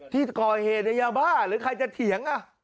ที่ก่อเหตุในยาบ้าหรือใครจะเถียง